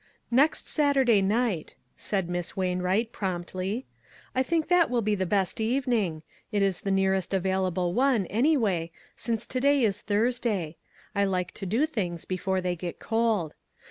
" Next Saturday night," said Miss Wain wright, promptly ;" I think that will be the best evening ; it is the nearest available one, any way, since to day is Thursday. I like to do things before they get • cold.